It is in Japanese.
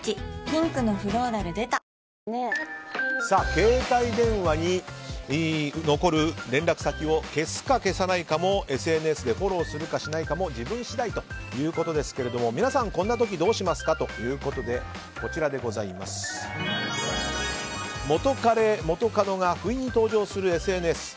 ピンクのフローラル出た携帯電話に残る連絡先を消すか、消さないかもＳＮＳでフォローするかしないかも自分次第ということですが皆さん、こんな時どうしますか？ということで元彼・元カノが不意に登場するＳＮＳ。